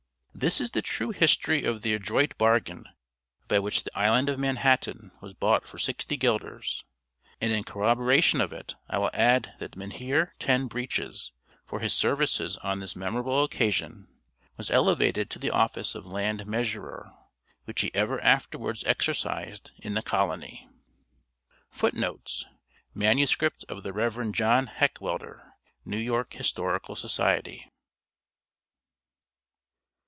This is the true history of the adroit bargain by which the Island of Manhattan was bought for sixty guilders; and in corroboration of it I will add that Mynheer Ten Breeches, for his services on this memorable occasion, was elevated to the office of land measurer; which he ever afterwards exercised in the colony. FOOTNOTES: MSS. of the Rev. John Heckwelder: New York Historical Society.